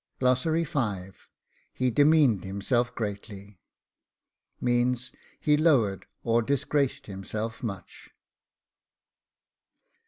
HE DEMEANED HIMSELF GREATLY means, he lowered or disgraced himself much.